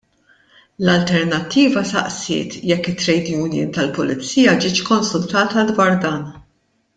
L-Alternattiva saqsiet jekk it-trade union tal-Pulizija ġietx konsultata dwar dan.